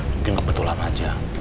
mungkin kebetulan aja